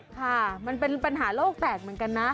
ค่ะมันเป็นปัญหาโลกแตกเหมือนกันนะ